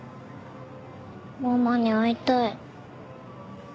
ママに会いたい。